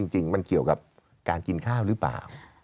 จริงมันเกี่ยวกับการกินข้าวหรือเปล่า